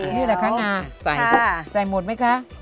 นี่อะไรคะงาใช้ใช้หมดไหมคะ